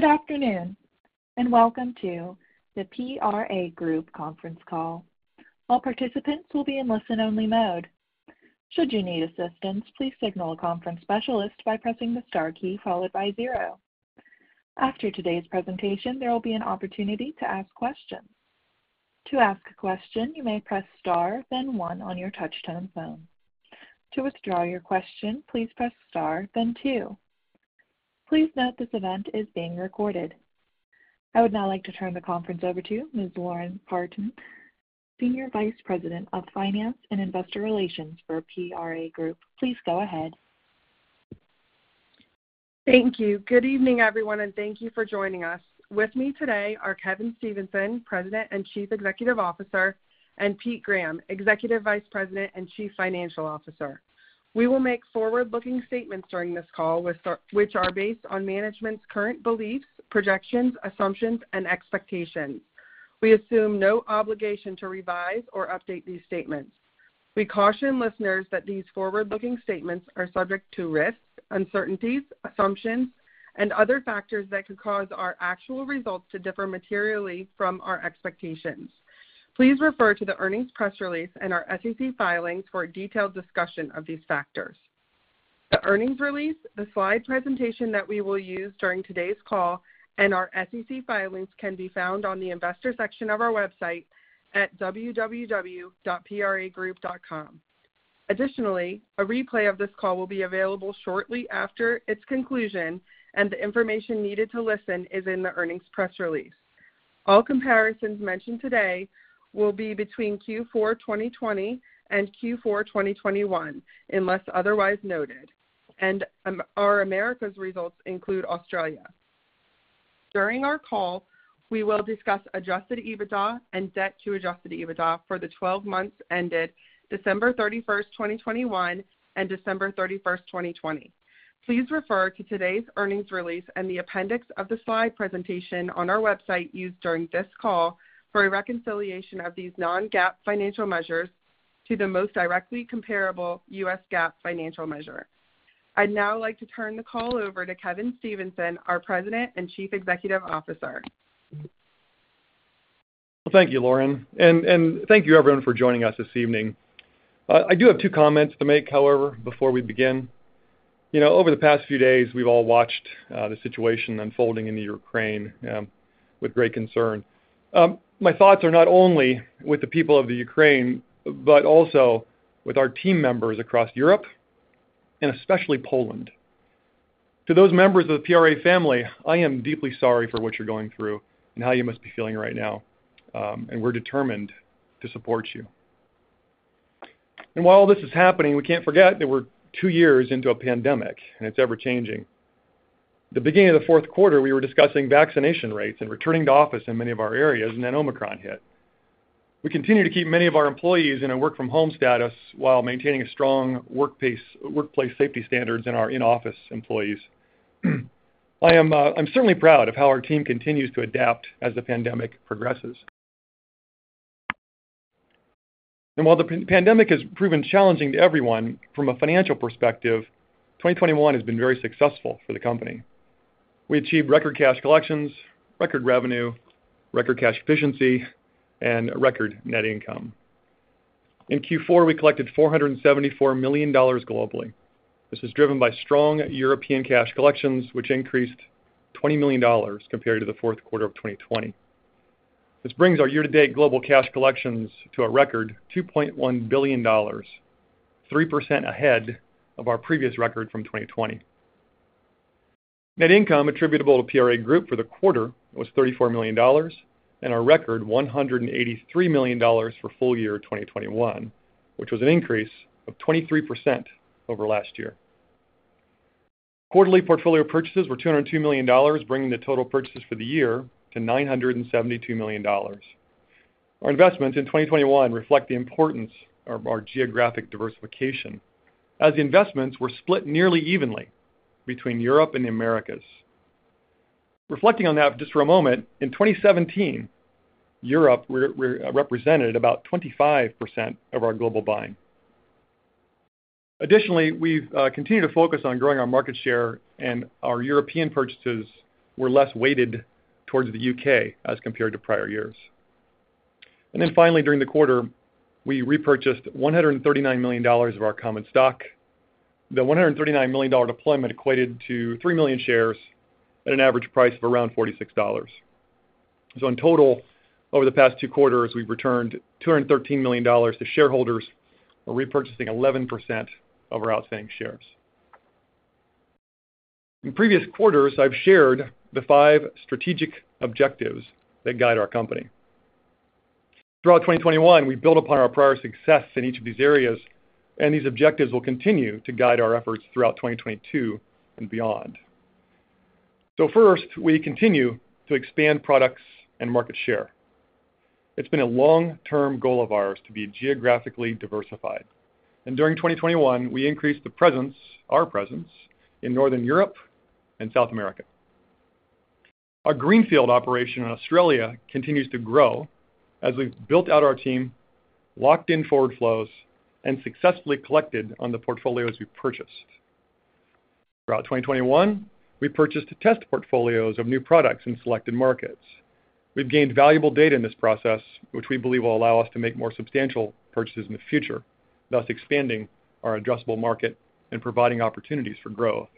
Good afternoon, and welcome to the PRA Group conference call. All participants will be in listen-only mode. Should you need assistance, please signal a conference specialist by pressing the star key followed by zero. After today's presentation, there will be an opportunity to ask questions. To ask a question, you may press star then one on your touch-tone phone. To withdraw your question, please press star then two. Please note this event is being recorded. I would now like to turn the conference over to Ms. Lauren Partin, Senior Vice President of Finance and Investor Relations for PRA Group. Please go ahead. Thank you. Good evening, everyone, and thank you for joining us. With me today are Kevin Stevenson, President and Chief Executive Officer, and Pete Graham, Executive Vice President and Chief Financial Officer. We will make forward-looking statements during this call, which are based on management's current beliefs, projections, assumptions, and expectations. We assume no obligation to revise or update these statements. We caution listeners that these forward-looking statements are subject to risks, uncertainties, assumptions, and other factors that could cause our actual results to differ materially from our expectations. Please refer to the earnings press release and our SEC filings for a detailed discussion of these factors. The earnings release, the slide presentation that we will use during today's call, and our SEC filings can be found on the investor section of our website at www.pragroup.com. Additionally, a replay of this call will be available shortly after its conclusion, and the information needed to listen is in the earnings press release. All comparisons mentioned today will be between Q4 2020 and Q4 2021, unless otherwise noted, and our Americas results include Australia. During our call, we will discuss Adjusted EBITDA and debt to Adjusted EBITDA for the 12 months ended December 31st, 2021 and December 31st, 2020. Please refer to today's earnings release and the appendix of the slide presentation on our website used during this call for a reconciliation of these non-GAAP financial measures to the most directly comparable U.S. GAAP financial measure. I'd now like to turn the call over to Kevin Stevenson, our President and Chief Executive Officer. Well, thank you, Lauren. Thank you everyone for joining us this evening. I do have two comments to make, however, before we begin. You know, over the past few days, we've all watched the situation unfolding in the Ukraine with great concern. My thoughts are not only with the people of the Ukraine, but also with our team members across Europe and especially Poland. To those members of the PRA family, I am deeply sorry for what you're going through and how you must be feeling right now. We're determined to support you. While this is happening, we can't forget that we're two years into a pandemic, and it's ever-changing. The beginning of the fourth quarter, we were discussing vaccination rates and returning to office in many of our areas, and then Omicron hit. We continue to keep many of our employees in a work-from-home status while maintaining a strong workplace safety standards in our in-office employees. I'm certainly proud of how our team continues to adapt as the pandemic progresses. While the pandemic has proven challenging to everyone from a financial perspective, 2021 has been very successful for the company. We achieved record cash collections, record revenue, record cash efficiency, and record net income. In Q4, we collected $474 million globally. This is driven by strong European cash collections, which increased $20 million compared to the fourth quarter of 2020. This brings our year-to-date global cash collections to a record $2.1 billion, 3% ahead of our previous record from 2020. Net income attributable to PRA Group for the quarter was $34 million and a record $183 million for full year 2021, which was an increase of 23% over last year. Quarterly portfolio purchases were $202 million, bringing the total purchases for the year to $972 million. Our investments in 2021 reflect the importance of our geographic diversification as the investments were split nearly evenly between Europe and the Americas. Reflecting on that just for a moment, in 2017, Europe represented about 25% of our global buying. Additionally, we've continued to focus on growing our market share and our European purchases were less weighted towards the U.K. as compared to prior years. Then finally, during the quarter, we repurchased $139 million of our common stock. The $139 million deployment equated to 3 million shares at an average price of around $46. In total, over the past 2Q, we've returned $213 million to shareholders while repurchasing 11% of our outstanding shares. In previous quarters, I've shared the five strategic objectives that guide our company. Throughout 2021, we built upon our prior success in each of these areas, and these objectives will continue to guide our efforts throughout 2022 and beyond. First, we continue to expand products and market share. It's been a long-term goal of ours to be geographically diversified. During 2021, we increased the presence, our presence in Northern Europe and South America. Our greenfield operation in Australia continues to grow as we've built out our team, locked in forward flows and successfully collected on the portfolios we purchased. Throughout 2021, we purchased test portfolios of new products in selected markets. We've gained valuable data in this process, which we believe will allow us to make more substantial purchases in the future, thus expanding our addressable market and providing opportunities for growth.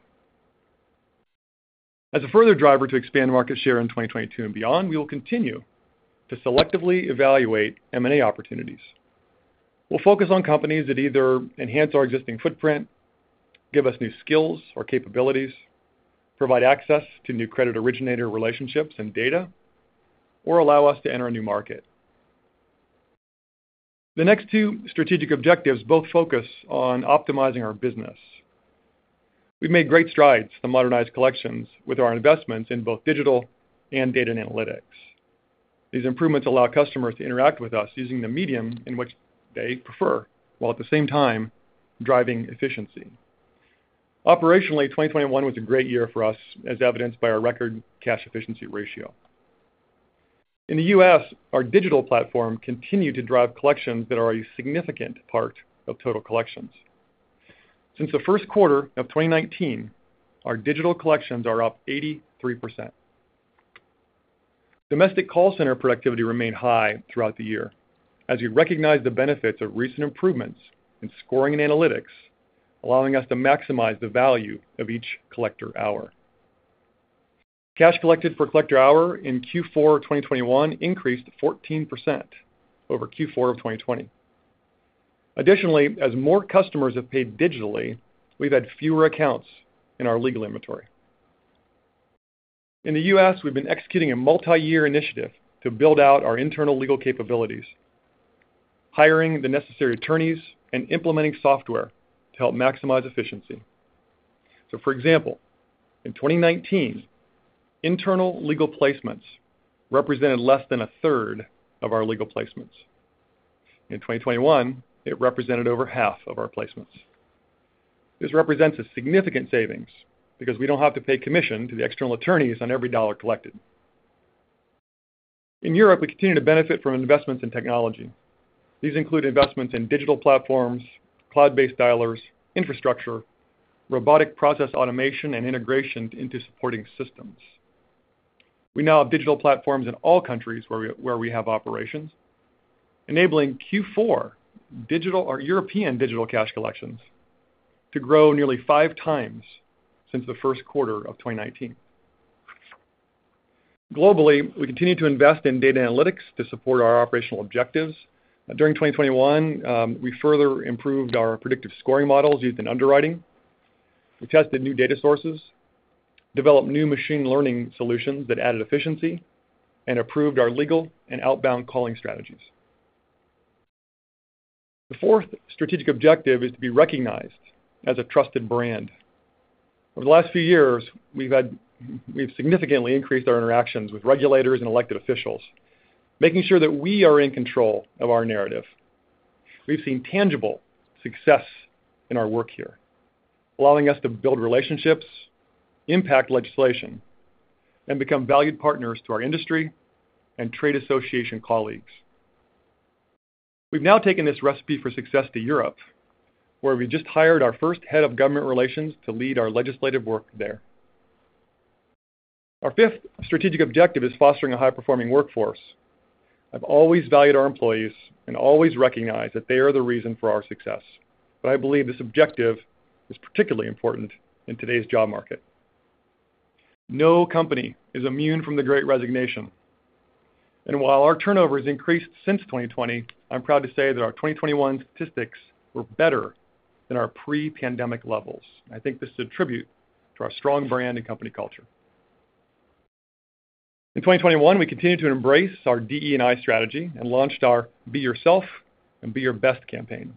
As a further driver to expand market share in 2022 and beyond, we will continue to selectively evaluate M&A opportunities. We'll focus on companies that either enhance our existing footprint, give us new skills or capabilities, provide access to new credit originator relationships and data, or allow us to enter a new market. The next two strategic objectives both focus on optimizing our business. We've made great strides to modernize collections with our investments in both digital and data and analytics. These improvements allow customers to interact with us using the medium in which they prefer, while at the same time driving efficiency. Operationally, 2021 was a great year for us, as evidenced by our record cash efficiency ratio. In the U.S., our digital platform continued to drive collections that are a significant part of total collections. Since the first quarter of 2019, our digital collections are up 83%. Domestic call center productivity remained high throughout the year as we recognized the benefits of recent improvements in scoring and analytics, allowing us to maximize the value of each collector hour. Cash collected per collector hour in Q4 2021 increased 14% over Q4 of 2020. Additionally, as more customers have paid digitally, we've had fewer accounts in our legal inventory. In the U.S., we've been executing a multi-year initiative to build out our internal legal capabilities, hiring the necessary attorneys and implementing software to help maximize efficiency. For example, in 2019, internal legal placements represented less than a third of our legal placements. In 2021, it represented over half of our placements. This represents a significant savings because we don't have to pay commission to the external attorneys on every dollar collected. In Europe, we continue to benefit from investments in technology. These include investments in digital platforms, cloud-based dialers, infrastructure, robotic process automation, and integration into supporting systems. We now have digital platforms in all countries where we have operations, enabling Q4 digital or European digital cash collections to grow nearly five times since the first quarter of 2019. Globally, we continue to invest in data analytics to support our operational objectives. During 2021, we further improved our predictive scoring models used in underwriting. We tested new data sources, developed new machine learning solutions that added efficiency and improved our legal and outbound calling strategies. The fourth strategic objective is to be recognized as a trusted brand. Over the last few years, we've significantly increased our interactions with regulators and elected officials, making sure that we are in control of our narrative. We've seen tangible success in our work here, allowing us to build relationships, impact legislation, and become valued partners to our industry and trade association colleagues. We've now taken this recipe for success to Europe, where we just hired our first head of government relations to lead our legislative work there. Our fifth strategic objective is fostering a high-performing workforce. I've always valued our employees and always recognized that they are the reason for our success, but I believe this objective is particularly important in today's job market. No company is immune from the great resignation. While our turnover has increased since 2020, I'm proud to say that our 2021 statistics were better than our pre-pandemic levels. I think this is a tribute to our strong brand and company culture. In 2021, we continued to embrace our DE&I strategy and launched our Be Yourself and Be Your Best campaign.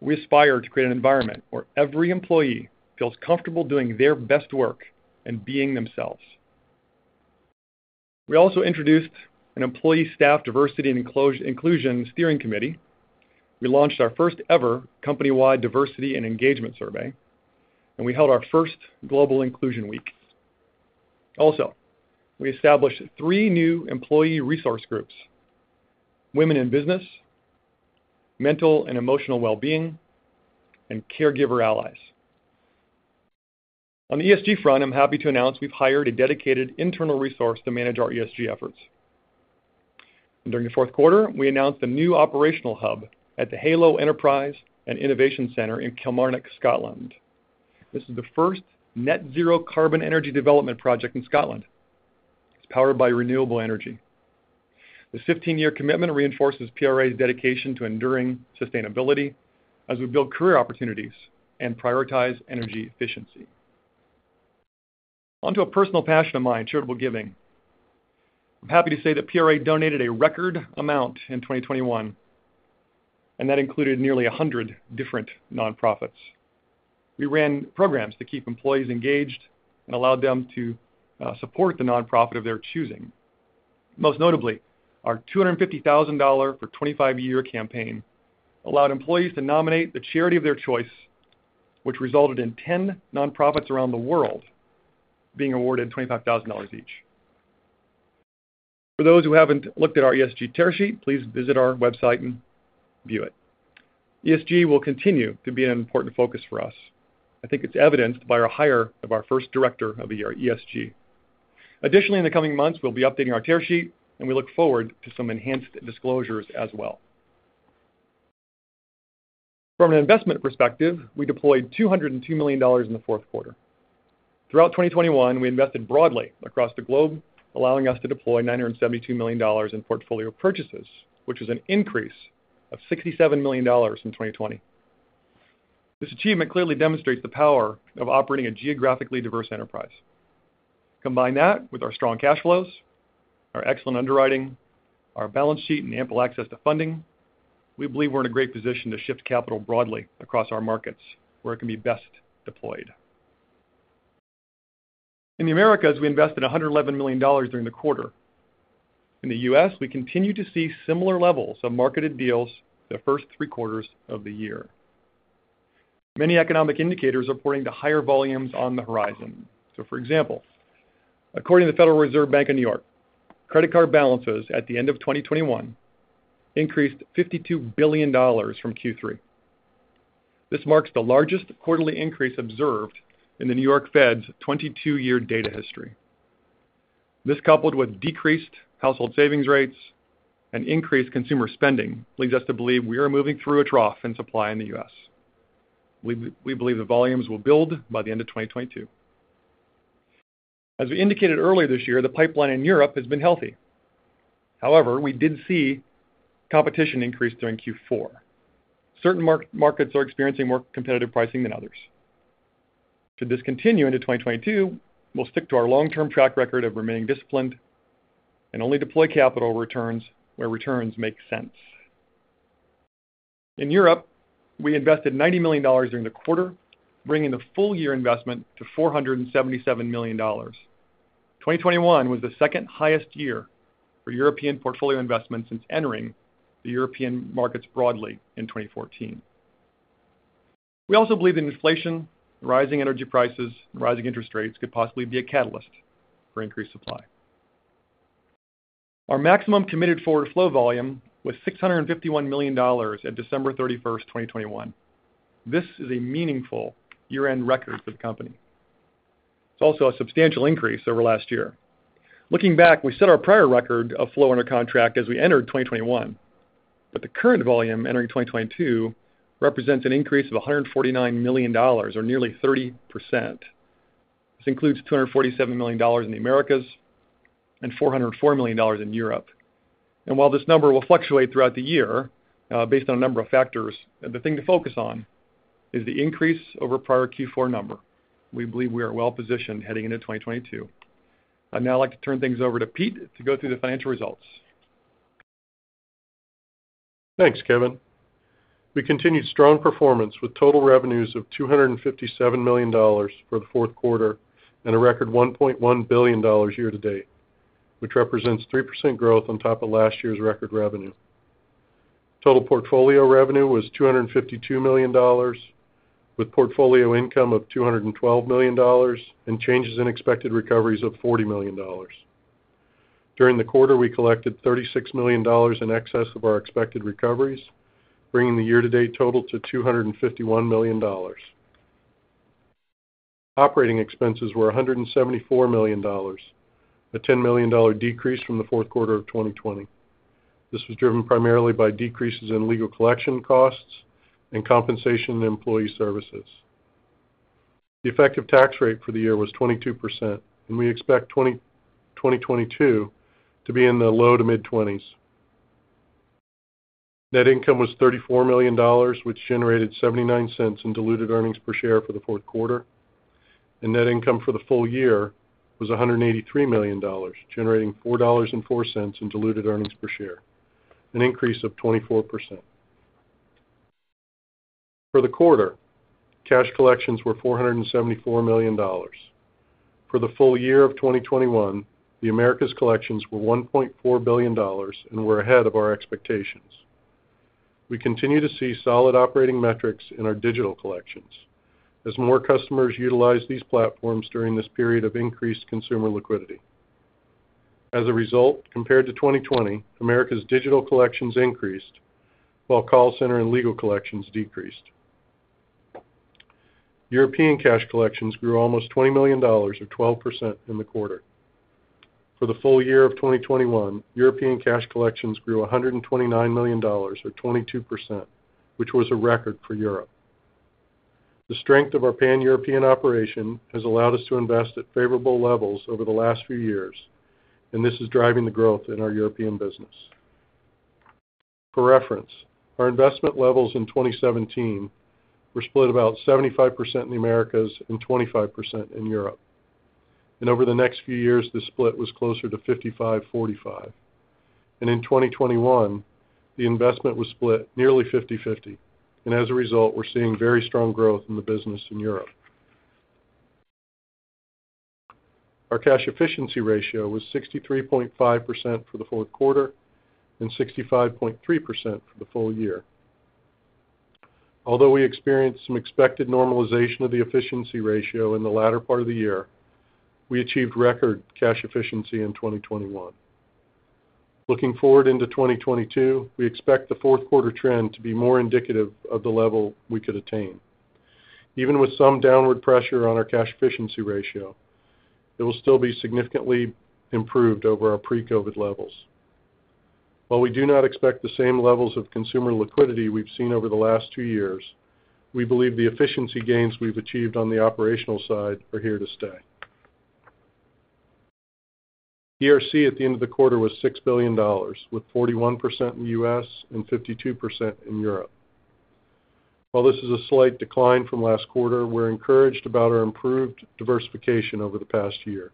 We aspire to create an environment where every employee feels comfortable doing their best work and being themselves. We also introduced an employee staff diversity and inclusion steering committee. We launched our first-ever company-wide diversity and engagement survey, and we held our first global inclusion week. Also, we established three new employee resource groups: Women in Business, Mental and Emotional Wellbeing, and Caregiver Allies. On the ESG front, I'm happy to announce we've hired a dedicated internal resource to manage our ESG efforts. During the fourth quarter, we announced a new operational hub at the HALO Enterprise and Innovation Center in Kilmarnock, Scotland. This is the first net zero carbon energy development project in Scotland. It's powered by renewable energy. This 15-year commitment reinforces PRA's dedication to enduring sustainability as we build career opportunities and prioritize energy efficiency. Onto a personal passion of mine, charitable giving. I'm happy to say that PRA donated a record amount in 2021, and that included nearly 100 different nonprofits. We ran programs to keep employees engaged and allowed them to support the nonprofit of their choosing. Most notably, our $250,000 for 25-year campaign allowed employees to nominate the charity of their choice, which resulted in 10 nonprofits around the world being awarded $25,000 each. For those who haven't looked at our ESG tear sheet, please visit our website and view it. ESG will continue to be an important focus for us. I think it's evidenced by our hire of our first Director of ESG. Additionally, in the coming months, we'll be updating our tear sheet, and we look forward to some enhanced disclosures as well. From an investment perspective, we deployed $202 million in the fourth quarter. Throughout 2021, we invested broadly across the globe, allowing us to deploy $972 million in portfolio purchases, which is an increase of $67 million in 2020. This achievement clearly demonstrates the power of operating a geographically diverse enterprise. Combine that with our strong cash flows, our excellent underwriting, our balance sheet, and ample access to funding, we believe we're in a great position to shift capital broadly across our markets where it can be best deployed. In the Americas, we invested $111 million during the quarter. In the U.S., we continue to see similar levels of marketed deals the first 3Q of the year. Many economic indicators are pointing to higher volumes on the horizon. For example, according to Federal Reserve Bank of New York, credit card balances at the end of 2021 increased $52 billion from Q3. This marks the largest quarterly increase observed in the New York Fed's 22-year data history. This, coupled with decreased household savings rates and increased consumer spending, leads us to believe we are moving through a trough in supply in the U.S. We believe the volumes will build by the end of 2022. As we indicated earlier this year, the pipeline in Europe has been healthy. However, we did see competition increase during Q4. Certain markets are experiencing more competitive pricing than others. Should this continue into 2022, we'll stick to our long-term track record of remaining disciplined and only deploy capital returns where returns make sense. In Europe, we invested $90 million during the quarter, bringing the full year investment to $477 million. 2021 was the second highest year for European portfolio investment since entering the European markets broadly in 2014. We also believe that inflation, rising energy prices, and rising interest rates could possibly be a catalyst for increased supply. Our maximum committed forward flow volume was $651 million at December 31st, 2021. This is a meaningful year-end record for the company. It's also a substantial increase over last year. Looking back, we set our prior record of flow under contract as we entered 2021, but the current volume entering 2022 represents an increase of $149 million, or nearly 30%. This includes $247 million in the Americas and $404 million in Europe. While this number will fluctuate throughout the year, based on a number of factors, the thing to focus on is the increase over prior Q4 number. We believe we are well-positioned heading into 2022. I'd now like to turn things over to Pete to go through the financial results. Thanks, Kevin. We continued strong performance with total revenues of $257 million for the fourth quarter and a record $1.1 billion year to date, which represents 3% growth on top of last year's record revenue. Total portfolio revenue was $252 million, with portfolio income of $212 million and changes in expected recoveries of $40 million. During the quarter, we collected $36 million in excess of our expected recoveries, bringing the year-to-date total to $251 million. Operating expenses were $174 million, a $10 million decrease from the fourth quarter of 2020. This was driven primarily by decreases in legal collection costs and compensation and employee services. The effective tax rate for the year was 22%, and we expect 2022 to be in the low to mid-20s. Net income was $34 million, which generated $0.79 in diluted earnings per share for the fourth quarter, and net income for the full year was $183 million, generating $4.04 in diluted earnings per share, an increase of 24%. For the quarter, cash collections were $474 million. For the full year of 2021, the Americas collections were $1.4 billion and were ahead of our expectations. We continue to see solid operating metrics in our digital collections as more customers utilize these platforms during this period of increased consumer liquidity. As a result, compared to 2020, America's digital collections increased while call center and legal collections decreased. European cash collections grew almost $20 million or 12% in the quarter. For the full year of 2021, European cash collections grew $129 million or 22%, which was a record for Europe. The strength of our Pan-European operation has allowed us to invest at favorable levels over the last few years, and this is driving the growth in our European business. For reference, our investment levels in 2017 were split about 75% in the Americas and 25% in Europe. Over the next few years, the split was closer to 55/45. In 2021, the investment was split nearly 50/50, and as a result, we're seeing very strong growth in the business in Europe. Our cash efficiency ratio was 63.5% for the fourth quarter and 65.3% for the full year. Although we experienced some expected normalization of the efficiency ratio in the latter part of the year, we achieved record cash efficiency in 2021. Looking forward into 2022, we expect the fourth quarter trend to be more indicative of the level we could attain. Even with some downward pressure on our cash efficiency ratio, it will still be significantly improved over our pre-COVID levels. While we do not expect the same levels of consumer liquidity we've seen over the last two years, we believe the efficiency gains we've achieved on the operational side are here to stay. ERC at the end of the quarter was $6 billion, with 41% in U.S. and 52% in Europe. While this is a slight decline from last quarter, we're encouraged about our improved diversification over the past year.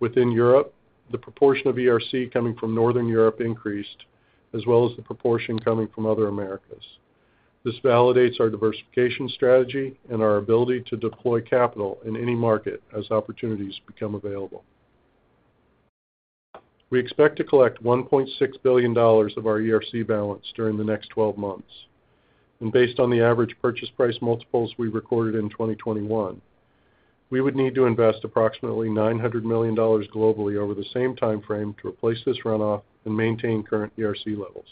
Within Europe, the proportion of ERC coming from Northern Europe increased, as well as the proportion coming from other Americas. This validates our diversification strategy and our ability to deploy capital in any market as opportunities become available. We expect to collect $1.6 billion of our ERC balance during the next twelve months. Based on the average purchase price multiples we recorded in 2021, we would need to invest approximately $900 million globally over the same time frame to replace this runoff and maintain current ERC levels.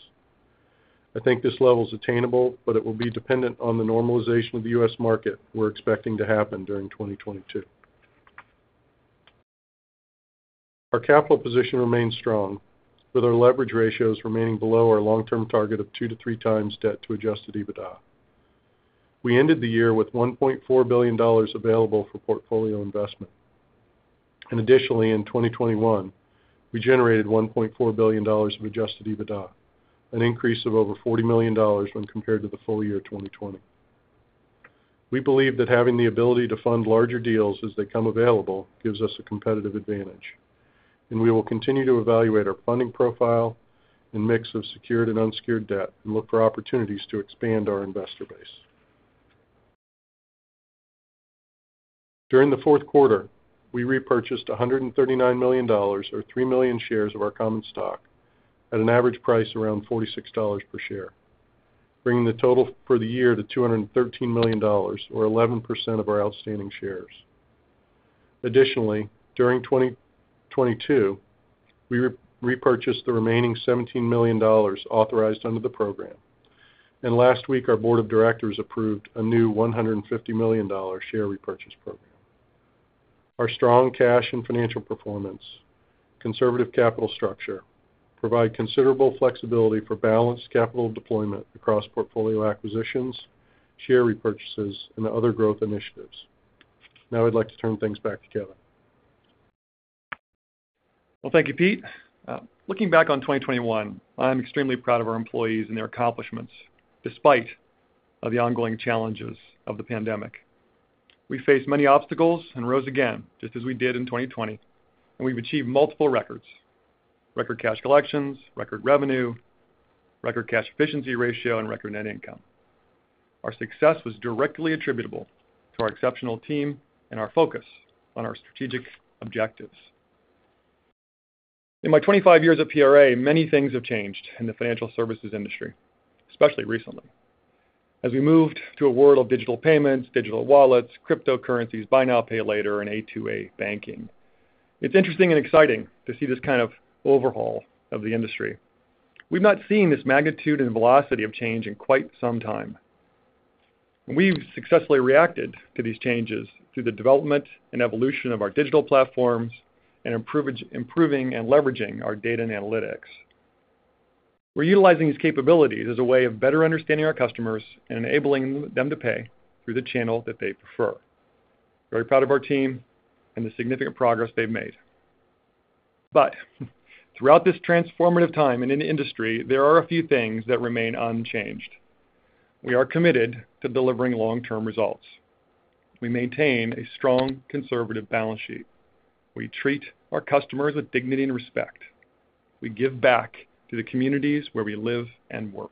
I think this level is attainable, but it will be dependent on the normalization of the U.S. market we're expecting to happen during 2022 Our capital position remains strong, with our leverage ratios remaining below our long-term target of two to three times debt to Adjusted EBITDA. We ended the year with $1.4 billion available for portfolio investment. Additionally, in 2021, we generated $1.4 billion of Adjusted EBITDA, an increase of over $40 million when compared to the full year 2020. We believe that having the ability to fund larger deals as they come available gives us a competitive advantage, and we will continue to evaluate our funding profile and mix of secured and unsecured debt and look for opportunities to expand our investor base. During the fourth quarter, we repurchased $139 million, or 3 million shares of our common stock at an average price around $46 per share, bringing the total for the year to $213 million, or 11% of our outstanding shares. Additionally, during 2022, we repurchased the remaining $17 million authorized under the program. Last week, our board of directors approved a new $150 million share repurchase program. Our strong cash and financial performance, conservative capital structure provide considerable flexibility for balanced capital deployment across portfolio acquisitions, share repurchases, and other growth initiatives. Now I'd like to turn things back to Kevin. Well, thank you, Pete. Looking back on 2021, I am extremely proud of our employees and their accomplishments despite of the ongoing challenges of the pandemic. We faced many obstacles and rose again, just as we did in 2020, and we've achieved multiple records. Record cash collections, record revenue, record cash efficiency ratio, and record net income. Our success was directly attributable to our exceptional team and our focus on our strategic objectives. In my 25 years at PRA, many things have changed in the financial services industry, especially recently. As we moved to a world of digital payments, digital wallets, cryptocurrencies, buy now, pay later, and A2A banking. It's interesting and exciting to see this kind of overhaul of the industry. We've not seen this magnitude and velocity of change in quite some time. We've successfully reacted to these changes through the development and evolution of our digital platforms and improving and leveraging our data and analytics. We're utilizing these capabilities as a way of better understanding our customers and enabling them to pay through the channel that they prefer. Very proud of our team and the significant progress they've made. Throughout this transformative time and in the industry, there are a few things that remain unchanged. We are committed to delivering long-term results. We maintain a strong conservative balance sheet. We treat our customers with dignity and respect. We give back to the communities where we live and work.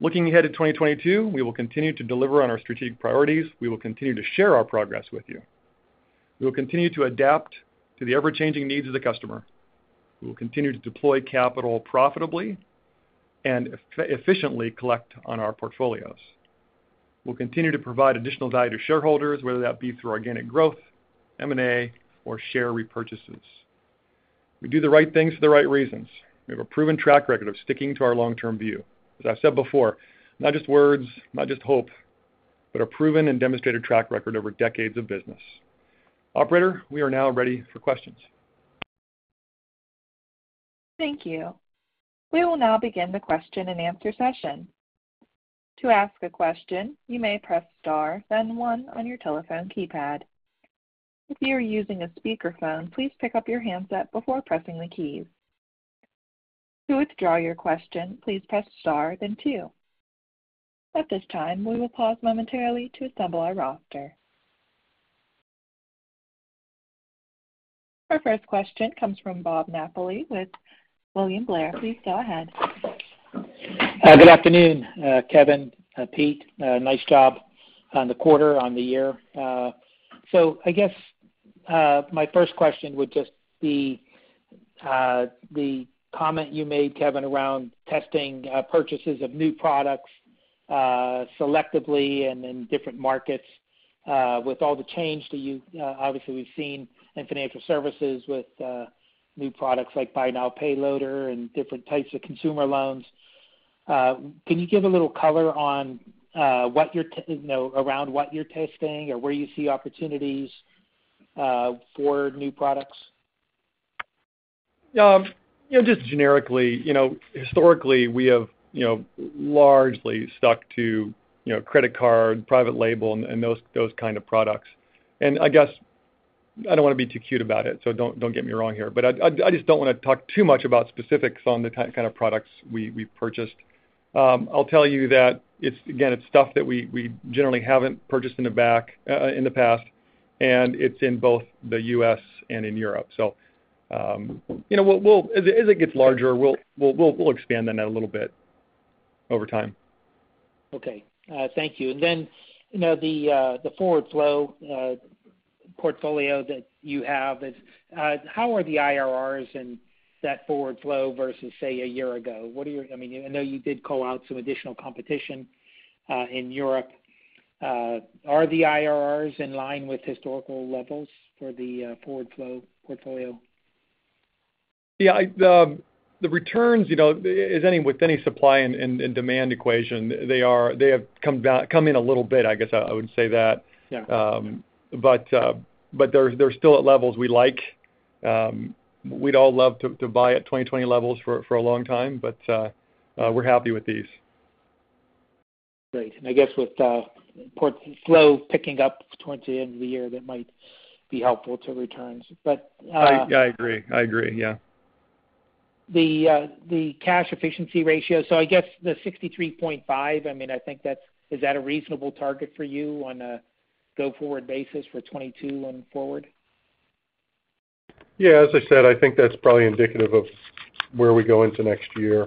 Looking ahead at 2022, we will continue to deliver on our strategic priorities. We will continue to share our progress with you. We will continue to adapt to the ever-changing needs of the customer. We will continue to deploy capital profitably and efficiently collect on our portfolios. We'll continue to provide additional value to shareholders, whether that be through organic growth, M&A, or share repurchases. We do the right things for the right reasons. We have a proven track record of sticking to our long-term view. As I said before, not just words, not just hope, but a proven and demonstrated track record over decades of business. Operator, we are now ready for questions. Thank you. We will now begin the question-and-answer session. To ask a question, you may press star, then one on your telephone keypad. If you are using a speakerphone, please pick up your handset before pressing the keys. To withdraw your question, please press star then two. At this time, we will pause momentarily to assemble our roster. Our first question comes from Bob Napoli with William Blair. Please go ahead. Good afternoon, Kevin, Pete. Nice job on the quarter, on the year. I guess my first question would just be the comment you made, Kevin, around testing purchases of new products selectively and in different markets. With all the change obviously we've seen in financial services with new products like buy now, pay later, and different types of consumer loans, can you give a little color on, you know, around what you're testing or where you see opportunities for new products? You know, just generically, you know, historically we have, you know, largely stuck to, you know, credit card, private label, and those kind of products. I guess I don't wanna be too cute about it, so don't get me wrong here. I just don't wanna talk too much about specifics on the kind of products we purchased. I'll tell you that it's, again, it's stuff that we generally haven't purchased in the past, and it's in both the U.S. and in Europe. You know, we'll. As it gets larger, we'll expand on that a little bit over time. Okay. Thank you. You know, the forward flow portfolio that you have. How are the IRRs in that forward flow versus, say, a year ago? What are your, I mean, I know you did call out some additional competition in Europe. Are the IRRs in line with historical levels for the forward flow portfolio? The returns, you know, with any supply and demand equation, they have come down a little bit. I guess I would say that. Yeah. They're still at levels we like. We'd all love to buy at 2020 levels for a long time, but we're happy with these. Great. I guess with forward flow picking up towards the end of the year, that might be helpful to returns. I agree. I agree, yeah. The cash efficiency ratio. I guess the 63.5%, I mean, I think that's. Is that a reasonable target for you on a go-forward basis for 2022 and forward? Yeah, as I said, I think that's probably indicative of where we go into next year.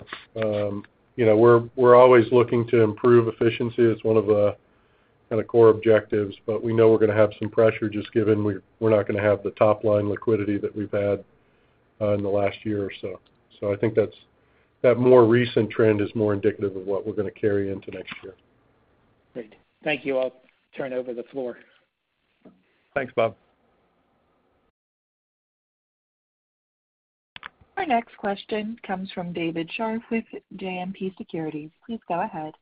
You know, we're always looking to improve efficiency. It's one of the kinda core objectives, but we know we're gonna have some pressure just given we're not gonna have the top-line liquidity that we've had in the last year or so. I think that more recent trend is more indicative of what we're gonna carry into next year. Great. Thank you. I'll turn over the floor. Thanks, Bob. Our next question comes from David Scharf with JMP Securities. Please go ahead.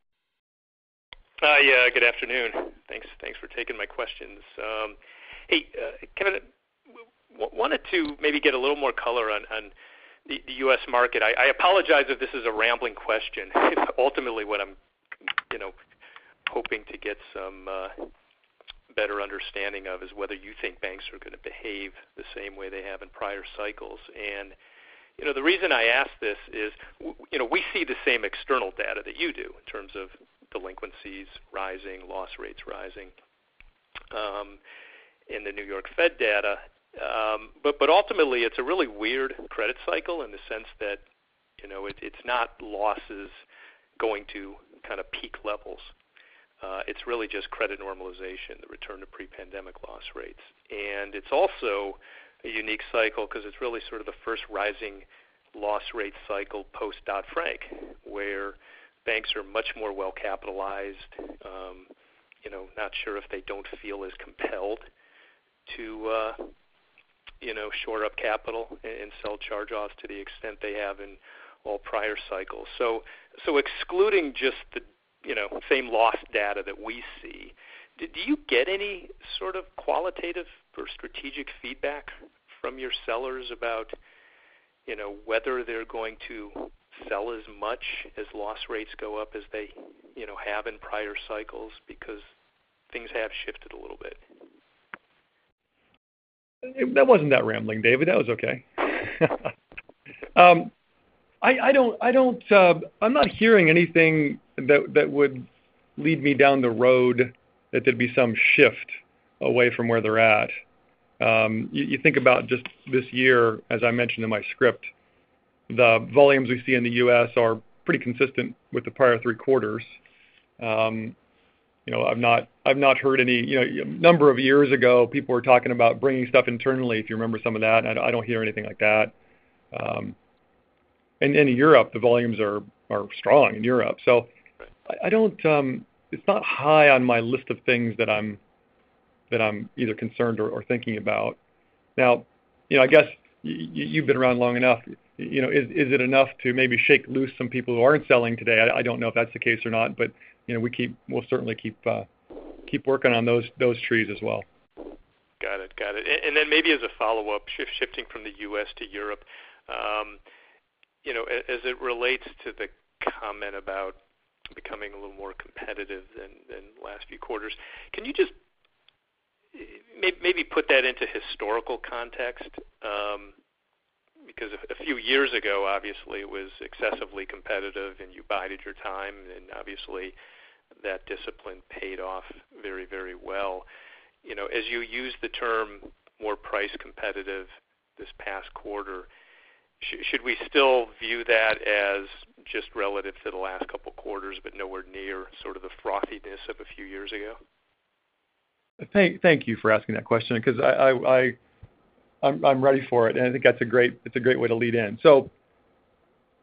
Hi. Yeah, good afternoon. Thanks for taking my questions. Hey, Kevin, wanted to maybe get a little more color on the U.S. market. I apologize if this is a rambling question. Ultimately, what I'm you know hoping to get some better understanding of is whether you think banks are gonna behave the same way they have in prior cycles. You know, the reason I ask this is you know we see the same external data that you do in terms of delinquencies rising, loss rates rising in the New York Fed data. Ultimately, it's a really weird credit cycle in the sense that you know it it's not losses going to kind of peak levels. It's really just credit normalization, the return to pre-pandemic loss rates. It's also a unique cycle 'cause it's really sort of the first rising loss rate cycle post-Dodd-Frank, where banks are much more well-capitalized, you know, not sure if they don't feel as compelled to, you know, shore up capital and sell charge-offs to the extent they have in all prior cycles. So excluding just the, you know, same loss data that we see, do you get any sort of qualitative or strategic feedback from your sellers about, you know, whether they're going to sell as much as loss rates go up as they, you know, have in prior cycles? Because things have shifted a little bit. That wasn't that rambling, David. That was okay. I don't. I'm not hearing anything that would lead me down the road that there'd be some shift away from where they're at. You think about just this year, as I mentioned in my script, the volumes we see in the U.S. are pretty consistent with the prior three quarters. You know, I've not heard any. You know, a number of years ago, people were talking about bringing stuff internally, if you remember some of that. I don't hear anything like that. In Europe, the volumes are strong in Europe. I don't. It's not high on my list of things that I'm either concerned or thinking about. Now, you know, I guess you've been around long enough. You know, is it enough to maybe shake loose some people who aren't selling today? I don't know if that's the case or not, but, you know, we'll certainly keep working on those trees as well. Got it. Maybe as a follow-up, shifting from the U.S. to Europe, you know, as it relates to the comment about becoming a little more competitive than the last few quarters, can you just maybe put that into historical context? Because a few years ago, obviously, it was excessively competitive, and you bided your time, and obviously, that discipline paid off very well. You know, as you use the term more price competitive this past quarter. Should we still view that as just relative to the last couple of quarters, but nowhere near sort of the frothiness of a few years ago? Thank you for asking that question because I'm ready for it, and I think that's a great way to lead in. So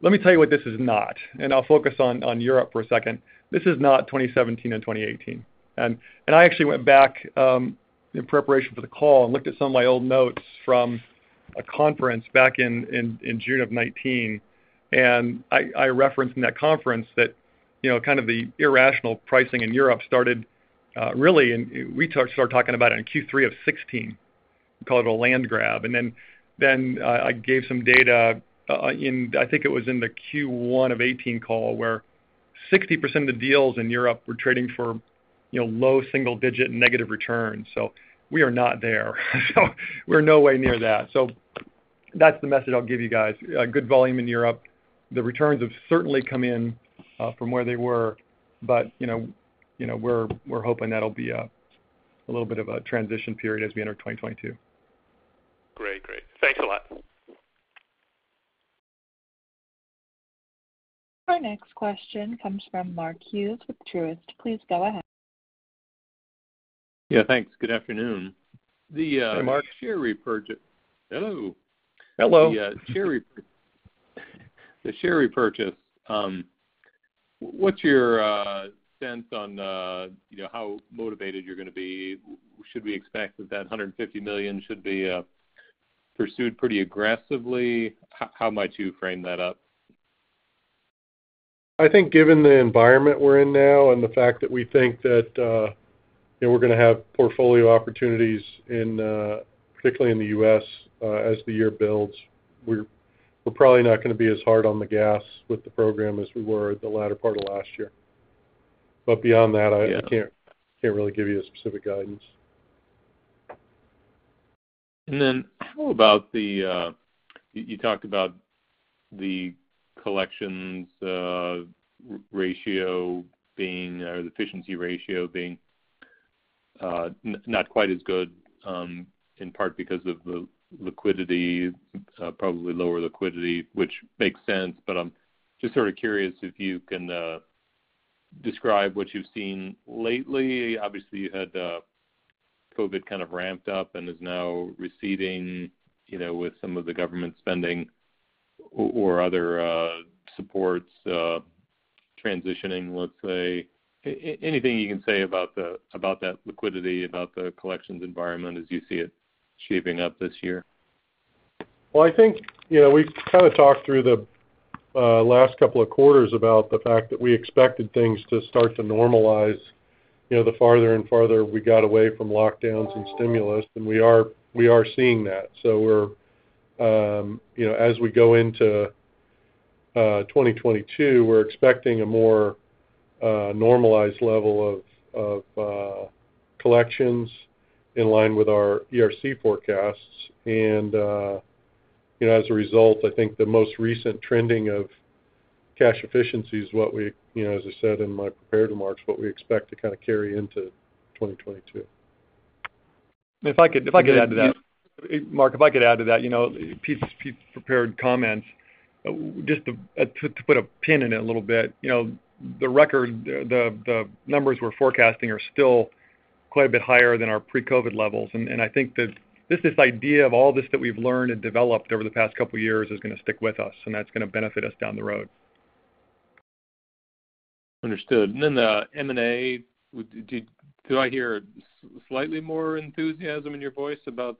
let me tell you what this is not, and I'll focus on Europe for a second. This is not 2017 and 2018. I actually went back in preparation for the call and looked at some of my old notes from a conference back in June of 2019. I referenced in that conference that you know, kind of the irrational pricing in Europe started really in Q3 of 2016. We called it a land grab. I gave some data. I think it was in the Q1 of 2018 call where 60% of the deals in Europe were trading for, you know, low single-digit negative returns. We are not there. We're no way near that. That's the message I'll give you guys. Good volume in Europe. The returns have certainly come in from where they were, but, you know, we're hoping that'll be a little bit of a transition period as we enter 2022. Great. Thanks a lot. Our next question comes from Mark Hughes with Truist. Please go ahead. Yeah, thanks. Good afternoon. Hey, Mark. Hello. Hello. The share repurchase, what's your sense on, you know, how motivated you're gonna be? Should we expect that $150 million should be pursued pretty aggressively? How might you frame that up? I think given the environment we're in now and the fact that we think that, you know, we're gonna have portfolio opportunities in, particularly in the U.S., as the year builds, we're probably not gonna be as hard on the gas with the program as we were the latter part of last year. Beyond that, I can't- Yeah. Can't really give you a specific guidance. How about you talked about the efficiency ratio being not quite as good, in part because of the liquidity, probably lower liquidity, which makes sense. I'm just sort of curious if you can describe what you've seen lately. Obviously, you had COVID kind of ramped up and is now receding, you know, with some of the government spending or other supports transitioning, let's say. Anything you can say about that liquidity, about the collections environment as you see it shaping up this year? Well, I think, you know, we've kind of talked through the last couple of quarters about the fact that we expected things to start to normalize, you know, the farther and farther we got away from lockdowns and stimulus, and we are seeing that. We're expecting a more normalized level of collections in line with our ERC forecasts as we go into 2022. As a result, I think the most recent trending of cash efficiency is what we, you know, as I said in my prepared remarks, what we expect to kind of carry into 2022. If I could add to that. Yeah. Mark, if I could add to that. You know, Pete's prepared comments, just to put a pin in it a little bit, you know, the record, the numbers we're forecasting are still quite a bit higher than our pre-COVID levels. I think that just this idea of all this that we've learned and developed over the past couple of years is gonna stick with us, and that's gonna benefit us down the road. Understood. The M&A, do I hear slightly more enthusiasm in your voice about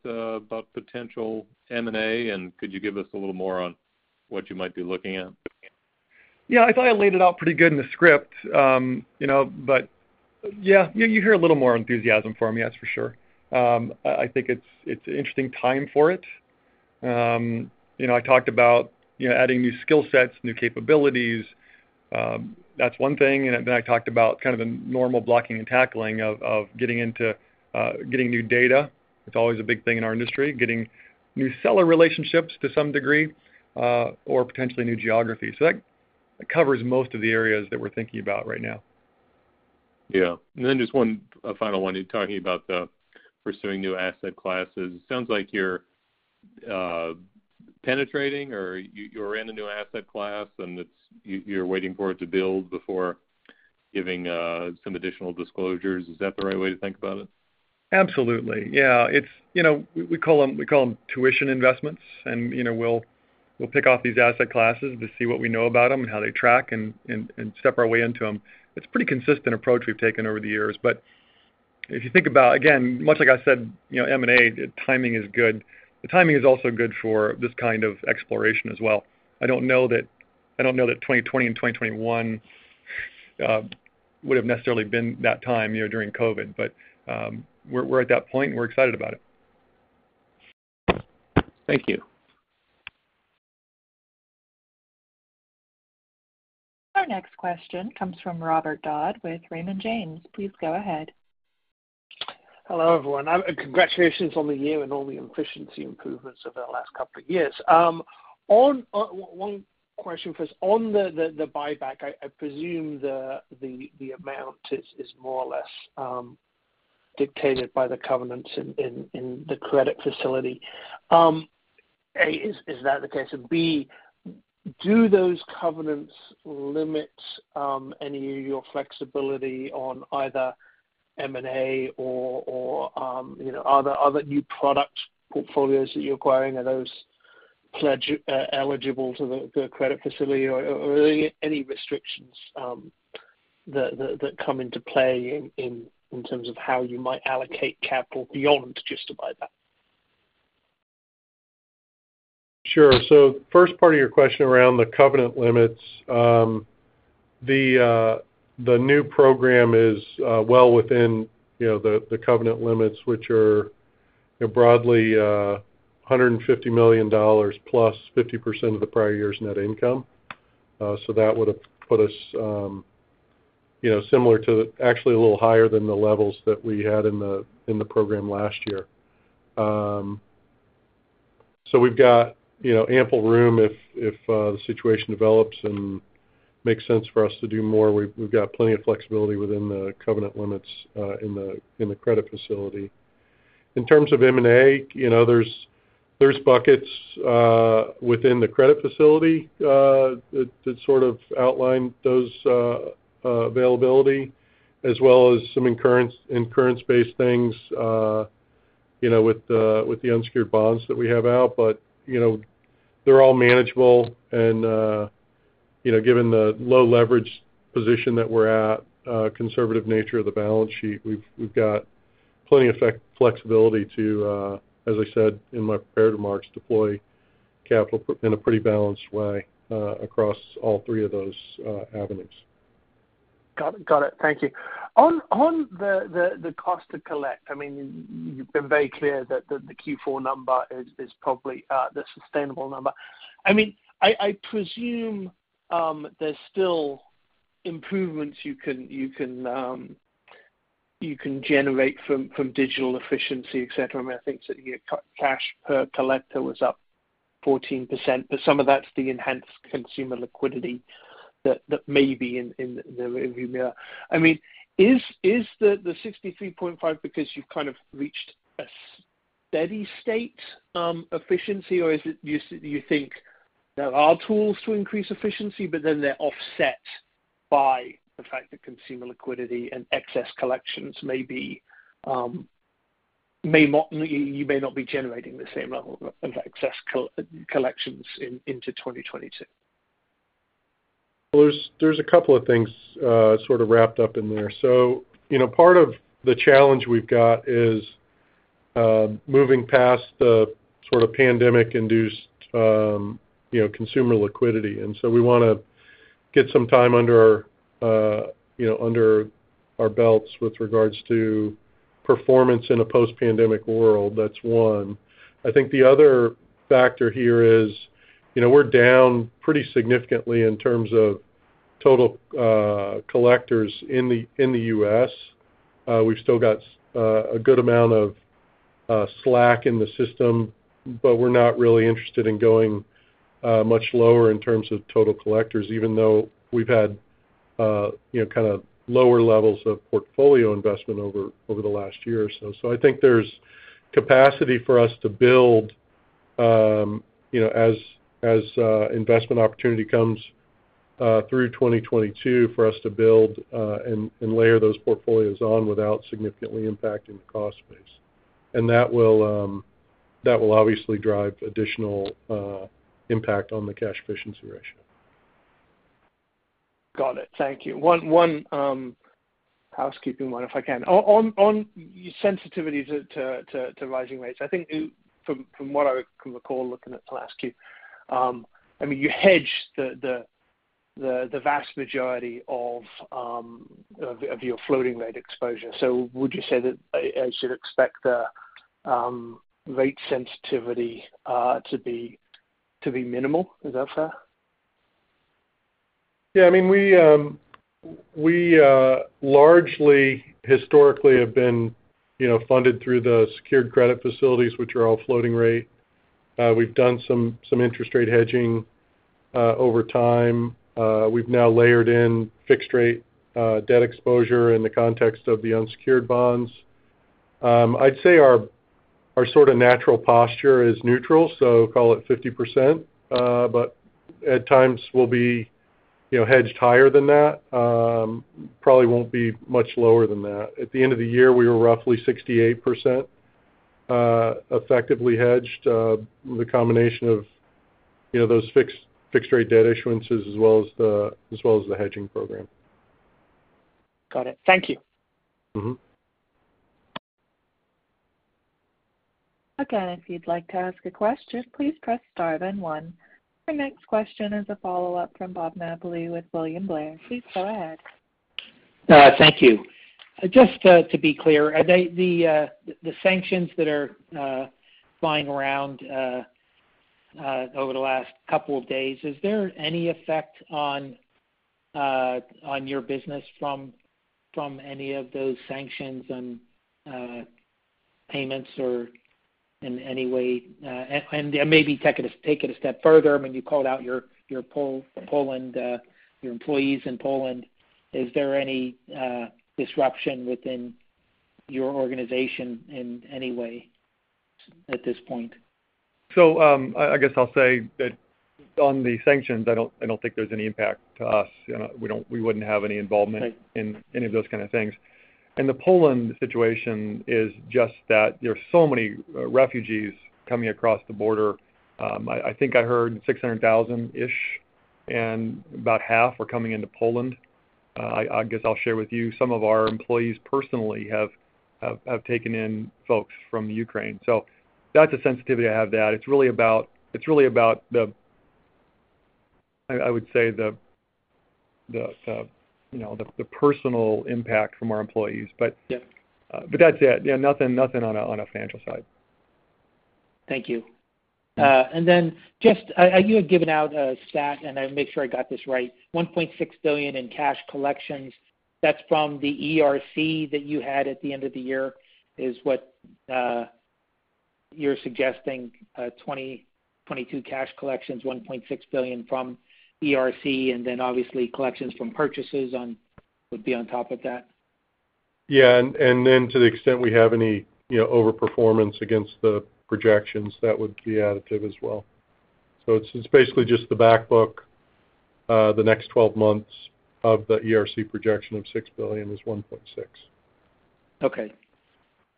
potential M&A? Could you give us a little more on what you might be looking at? Yeah. I thought I laid it out pretty good in the script. You know, but yeah, you hear a little more enthusiasm from me. That's for sure. I think it's an interesting time for it. You know, I talked about, you know, adding new skill sets, new capabilities, that's one thing. I talked about kind of the normal blocking and tackling of getting new data. It's always a big thing in our industry. Getting new seller relationships to some degree, or potentially new geographies. That covers most of the areas that we're thinking about right now. Yeah. Just one final one. You're talking about pursuing new asset classes. It sounds like you're penetrating or you're in a new asset class, and you're waiting for it to build before giving some additional disclosures. Is that the right way to think about it? Absolutely. Yeah. It's, you know, we call them tuition investments. You know, we'll pick off these asset classes to see what we know about them and how they track and step our way into them. It's a pretty consistent approach we've taken over the years. If you think about, again, much like I said, you know, M&A, the timing is good. The timing is also good for this kind of exploration as well. I don't know that 2020 and 2021 would have necessarily been that time, you know, during COVID, but we're at that point, and we're excited about it. Thank you. Our next question comes from Robert Dodd with Raymond James. Please go ahead. Hello, everyone. Congratulations on the year and all the efficiency improvements over the last couple of years. One question for us. On the buyback, I presume the amount is more or less dictated by the covenants in the credit facility. A, is that the case? And B, do those covenants limit any of your flexibility on either M&A or, you know, other new product portfolios that you're acquiring? Are those eligible to the credit facility or are there any restrictions that come into play in terms of how you might allocate capital beyond just the buyback? Sure. First part of your question around the covenant limits. The new program is well within, you know, the covenant limits, which are, you know, broadly $150 million plus 50% of the prior year's net income. That would have put us, you know, similar to actually a little higher than the levels that we had in the program last year. We've got, you know, ample room if the situation develops and makes sense for us to do more. We've got plenty of flexibility within the covenant limits in the credit facility. In terms of M&A, you know, there's buckets within the credit facility that sort of outline those availability as well as some incurrence-based things, you know, with the unsecured bonds that we have out. You know, they're all manageable and, you know, given the low leverage position that we're at, conservative nature of the balance sheet, we've got plenty of flexibility to, as I said in my prepared remarks, deploy capital in a pretty balanced way across all three of those avenues. Got it. Thank you. On the cost to collect, I mean, you've been very clear that the Q4 number is probably the sustainable number. I mean, I presume there's still improvements you can generate from digital efficiency, et cetera. I mean, I think that your cash per collector was up 14%, but some of that's the enhanced consumer liquidity that may be in the rear view mirror. I mean, is the 63.5% because you've kind of reached a steady state efficiency or do you think there are tools to increase efficiency, but then they're offset by the fact that consumer liquidity and excess collections, you may not be generating the same level of excess collections into 2022? Well, there's a couple of things sort of wrapped up in there. You know, part of the challenge we've got is moving past the sort of pandemic induced you know, consumer liquidity. We wanna get some time under our you know, under our belts with regards to performance in a post-pandemic world. That's one. I think the other factor here is, you know, we're down pretty significantly in terms of total collectors in the U.S. We've still got a good amount of slack in the system, but we're not really interested in going much lower in terms of total collectors, even though we've had you know, kind of lower levels of portfolio investment over the last year or so. I think there's capacity for us to build, you know, as investment opportunity comes through 2022 for us to build and layer those portfolios on without significantly impacting the cost base. That will obviously drive additional impact on the cash efficiency ratio. Got it. Thank you. One housekeeping item, if I can. On sensitivity to rising rates. I think from what I can recall looking at the last Q, I mean, you hedge the vast majority of your floating rate exposure. So would you say that I should expect the rate sensitivity to be minimal? Is that fair? Yeah. I mean, we largely historically have been, you know, funded through the secured credit facilities, which are all floating rate. We've done some interest rate hedging over time. We've now layered in fixed rate debt exposure in the context of the unsecured bonds. I'd say our sort of natural posture is neutral, so call it 50%. But at times we'll be, you know, hedged higher than that. Probably won't be much lower than that. At the end of the year, we were roughly 68% effectively hedged, the combination of, you know, those fixed rate debt issuances as well as the hedging program. Got it. Thank you. Mm-hmm. Again, if you'd like to ask a question, please press star then one. Our next question is a follow-up from Bob Napoli with William Blair. Please go ahead. Thank you. Just to be clear, are they the sanctions that are flying around over the last couple of days? Is there any effect on your business from any of those sanctions and payments or in any way? Maybe take it a step further. I mean, you called out your Poland, your employees in Poland. Is there any disruption within your organization in any way at this point? I guess I'll say that on the sanctions, I don't think there's any impact to us. You know, we wouldn't have any involvement. Right In any of those kind of things. The Poland situation is just that there's so many refugees coming across the border. I think I heard 600,000-ish, and about half are coming into Poland. I guess I'll share with you, some of our employees personally have taken in folks from Ukraine. That's a sensitivity to have that. It's really about the personal impact from our employees, but... Yeah. That's it. Yeah, nothing on a financial side. Thank you. Just, you had given out a stat, and to make sure I got this right, $1.6 billion in cash collections. That's from the ERC that you had at the end of the year, is what you're suggesting, 2022 cash collections, $1.6 billion from ERC, and then obviously collections from purchases on would be on top of that? Yeah. To the extent we have any, you know, overperformance against the projections, that would be additive as well. It's basically just the back book, the next 12 months of the ERC projection of $6 billion is $1.6 billion. Okay.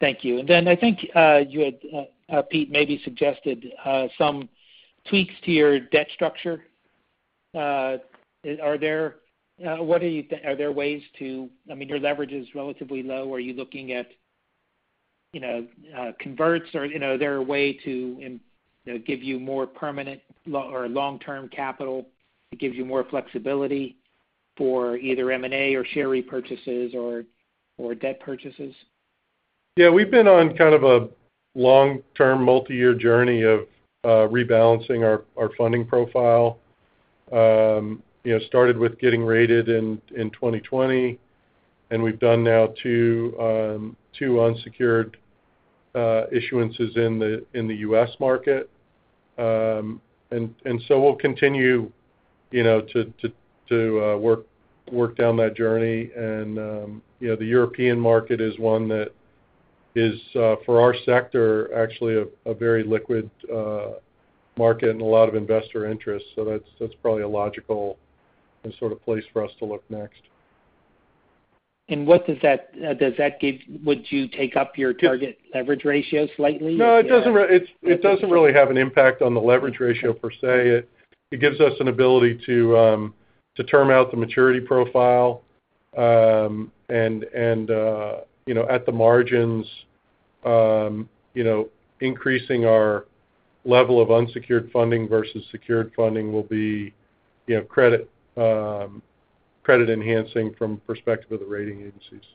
Thank you. Then I think you had Pete maybe suggested some tweaks to your debt structure. Are there ways to, I mean, your leverage is relatively low. Are you looking at, you know, converts or, you know, are there a way to, you know, give you more permanent or long-term capital that gives you more flexibility for either M&A or share repurchases or debt purchases? Yeah, we've been on kind of a long-term multi-year journey of rebalancing our funding profile. You know, we started with getting rated in 2020, and we've done now two unsecured issuances in the U.S. market. We'll continue, you know, to work down that journey. You know, the European market is one that is for our sector actually a very liquid market and a lot of investor interest. That's probably a logical sort of place for us to look next. Would you take up your target leverage ratio slightly if you're- No, it doesn't really have an impact on the leverage ratio per se. It gives us an ability to term out the maturity profile. You know, at the margins, you know, increasing our level of unsecured funding versus secured funding will be, you know, credit enhancing from perspective of the rating agencies.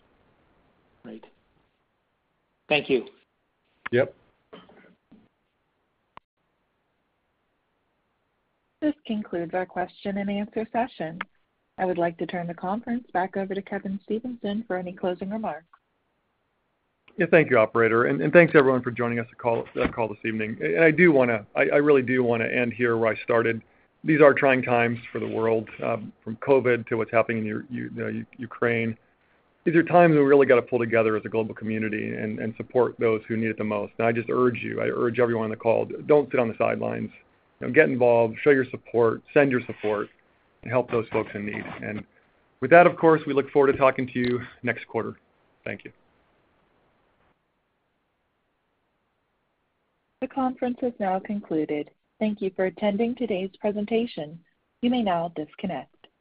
Right. Thank you. Yep. This concludes our question and answer session. I would like to turn the conference back over to Kevin Stevenson for any closing remarks. Yeah. Thank you, operator, and thanks everyone for joining us on the call this evening. I really do wanna end here where I started. These are trying times for the world, from COVID to what's happening in Ukraine. These are times when we really gotta pull together as a global community and support those who need it the most. I just urge you, everyone on the call, don't sit on the sidelines. You know, get involved, show your support, send your support, and help those folks in need. With that, of course, we look forward to talking to you next quarter. Thank you. The conference has now concluded. Thank you for attending today's presentation. You may now disconnect.